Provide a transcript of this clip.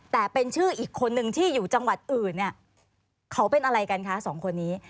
แต่เป็นชื่ออีกคนนึงที่อยู่จังหวัดอื่นเนี่ยเขาเป็นอะไรกันคะสองคนนี้